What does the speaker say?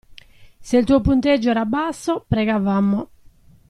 Se il tuo punteggio era basso, pregavamo.